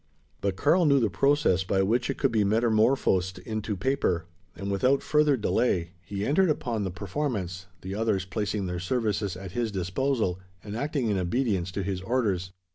But Karl knew the process by which it could be metamorphosed into paper; and without further delay, he entered upon the performance the others placing their services at his disposal, and acting in obedience to his orders.